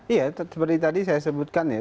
iya seperti tadi saya sebutkan ya